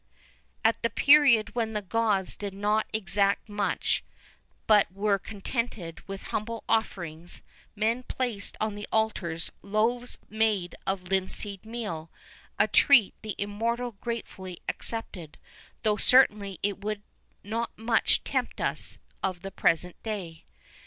_' "[VI 14] At the period when the gods did not exact much, but were contented with humble offerings, men placed on the altars loaves made of Linseed meal; a treat the immortals gratefully accepted, though certainly it would not much tempt us[VI 15] of the present day.